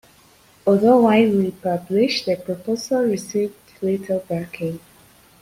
Although widely published, the proposal received little backing.